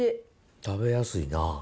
食べやすいな。